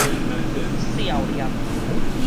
數念